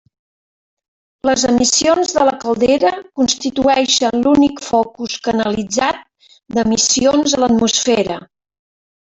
Les emissions de la caldera constituïxen l'únic focus canalitzat d'emissions a l'atmosfera.